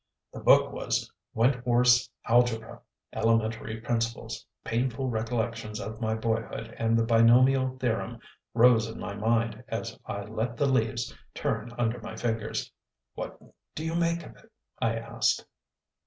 The book was Wentworth's Algebra elementary principles. Painful recollections of my boyhood and the binomial theorem rose in my mind as I let the leaves turn under my fingers. "What do you make of it?" I asked.